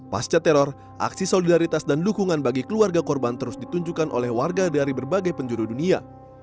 pasca teror aksi solidaritas dan dukungan bagi keluarga korban terus ditunjukkan oleh warga dari berbagai penjuru dunia